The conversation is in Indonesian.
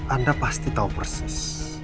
anda pasti tau persis